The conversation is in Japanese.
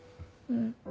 うん。